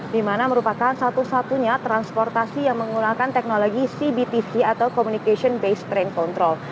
di mana merupakan satu satunya transportasi yang menggunakan teknologi cbtc atau communication based train control